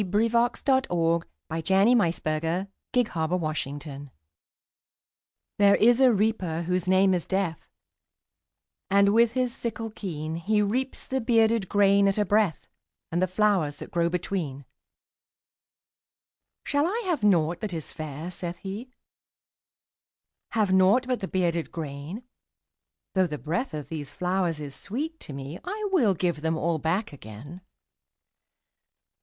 Henry Wadsworth Longfellow The Reaper And The Flowers THERE is a Reaper whose name is Death, And, with his sickle keen, He reaps the bearded grain at a breath, And the flowers that grow between. ``Shall I have nought that is fair?'' saith he; ``Have nought but the bearded grain? Though the breath of these flowers is sweet to me, I will give them all back again.''